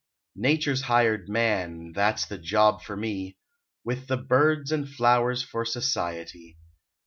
Nature s hired man ! That s the job for me, [ 47 ] With the birds and flowers For society.